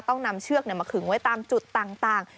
ต้องนำเชือกมาขึงไว้ตามจุดต่าง